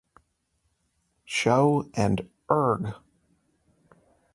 Show" and "Urgh!